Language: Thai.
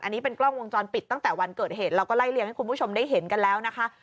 อันนี้เป็นกล้องวงจรปิดตั้งแต่วันเกิดเหตุเราก็ไล่เลี่ยงให้คุณผู้ชมได้เห็นกันแล้วนะคะ